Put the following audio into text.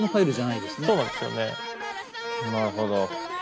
なるほど。